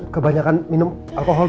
kebanyakan minum alkohol